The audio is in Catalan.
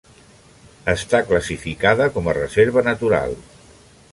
Està classificada com a reserva natural.